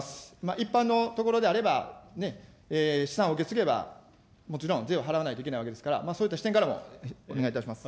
一般のところであれば、ね、資産を受け継げば、もちろん税を払わないといけないわけですから、そういった視点からもお願いいたします。